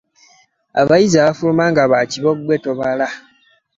Abayizi abafuluma nga bakibogwe tobala.